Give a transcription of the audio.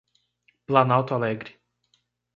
Planalto Alegre